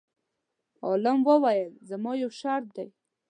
عالم وویل: زما یو شرط دی.